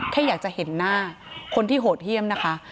แค่อยากจะเห็นหน้าคนที่โหดเยี่ยมนะคะ